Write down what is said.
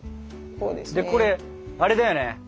これあれだよね